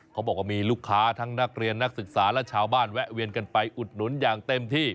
เขาบอกว่ามีลูกค้าทั้งนักเรียนนักศึกษาและชาวบ้านแวะเวียนกันไปอุดหนุนอย่างเต็มที่